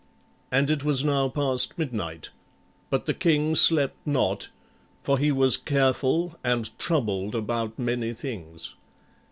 And it was now past midnight; but the king slept not, for he was careful and troubled about many things.